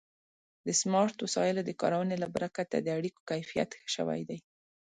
د سمارټ وسایلو د کارونې له برکته د اړیکو کیفیت ښه شوی دی.